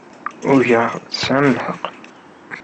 Ugaɣ tesɛamt lḥeqq.